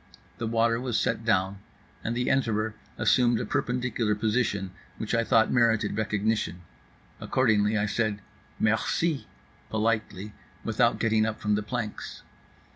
The water was set down, and the enterer assumed a perpendicular position which I thought merited recognition; accordingly I said "Merci" politely, without getting up from the planks.